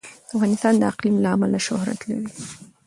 افغانستان د اقلیم له امله شهرت لري.